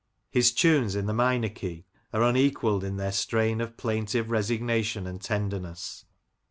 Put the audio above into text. His tunes in the minor key are unequalled in their strain of plaintive resignation and tenderness.